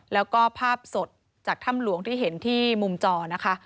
แล้วก็ภาพสดจากถ้ำหลวงที่เห็นที่มุมจอนะคะ